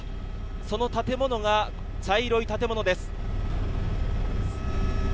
その建物が茶色い建物です。